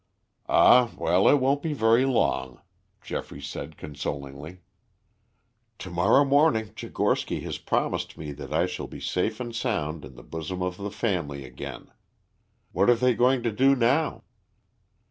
"Ah, well, it won't be very long," Geoffrey said consolingly. "To morrow morning Tchigorsky has promised that I shall be safe and sound in the bosom of the family again. What are they going to do now?"